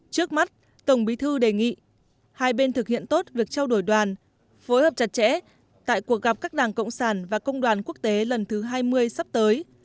trước mắt tổng bí thư đề nghị hai bên thực hiện tốt việc trao đổi đoàn phối hợp chặt chẽ tại cuộc gặp các đảng cộng sản và công đoàn quốc tế lần thứ hai mươi sắp tới